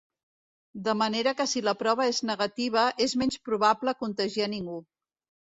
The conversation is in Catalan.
De manera que si la prova és negativa, és menys probable contagiar ningú.